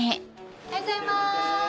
おはようございます。